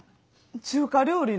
中華料理の。